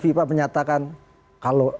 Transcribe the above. fifa menyatakan kalau